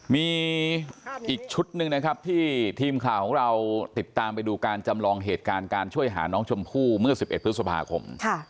มีอีกชุดหนึ่งนะครับที่ทีมข่าวของเราติดตามไปดูการจำลองเหตุการณ์การช่วยหาน้องชมพู่เมื่อ๑๑พฤษภาคม